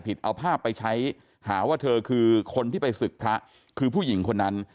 เอาภาพไปใช้หาว่าเธอคือคนที่ไปศึกพระคือผู้หญิงคนนั้น